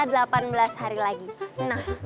delapan belas hari lagi nah